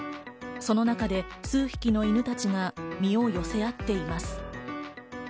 その中で数匹の犬たちが身を寄せ合っています。